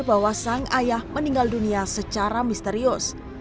dan kabar bahwa sang ayah meninggal dunia secara misterius